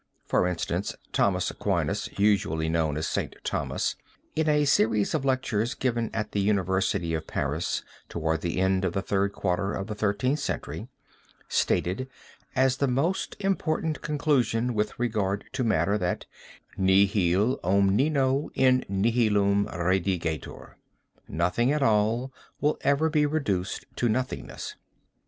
For instance Thomas Aquinas usually known as St. Thomas, in a series of lectures given at the University of Paris toward the end of the third quarter of the Thirteenth Century, stated as the most important conclusion with regard to matter, that "Nihil omnino in nihilum redigetur,"' "Nothing at all will ever be reduced to nothingness."